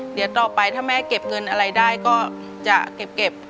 เดี๋ยวต่อไปถ้าแม่เก็บเงินอะไรได้ก็จะเก็บ